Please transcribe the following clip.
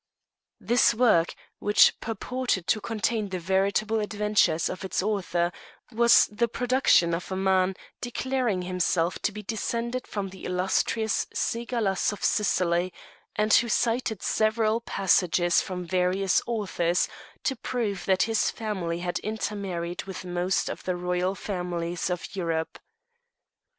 This work, which purported to contain the veritable adventures of its author, was the production of a man declaring himself to be descended from the illustrious Cigalas of Sicily, and who cited several passages from various authors to prove that his family had intermarried with most of the royal families of Europe.